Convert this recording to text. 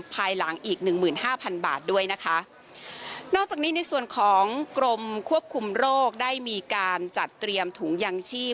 ภายหลังอีก๑๕๐๐๐บาทด้วยนะคะนอกจากนี้ในส่วนของกรมควบคุมโรคได้มีการจัดเตรียมถุงยังชีพ